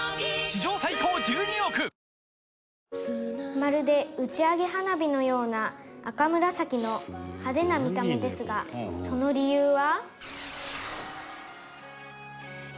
「まるで打ち上げ花火のような赤紫の派手な見た目ですがその理由は」